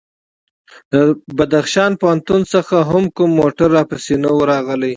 له بدخشان پوهنتون څخه هم کوم موټر راپسې نه و راغلی.